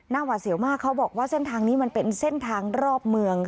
หวาดเสียวมากเขาบอกว่าเส้นทางนี้มันเป็นเส้นทางรอบเมือง